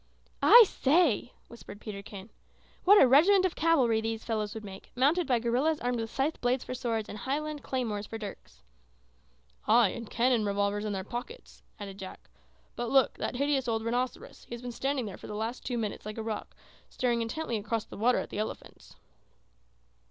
"I say," whispered Peterkin, "what a regiment of cavalry these fellows would make, mounted by gorillas armed with scythe blades for swords and Highland claymores for dirks!" "Ay, and cannon revolvers in their pockets!" added Jack. "But, look that hideous old rhinoceros. He has been standing there for the last two minutes like a rock, staring intently across the water at the elephants."